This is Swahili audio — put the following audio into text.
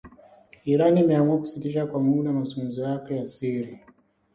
Iran imeamua kusitisha kwa muda mazungumzo yake ya siri